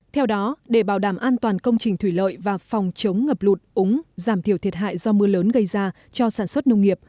theo đó để bảo đảm an toàn công trình thủy lợi và phòng chống ngập lụt úng giảm thiểu thiệt hại do mưa lớn gây ra cho sản xuất nông nghiệp